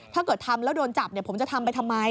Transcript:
ถ้าเกิดทำแล้วโดนจับผมจะทำไปทำไม